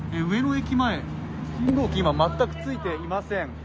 上野駅前、信号機、今、全くついていません。